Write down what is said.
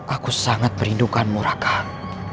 aku sangat merindukanmu chittan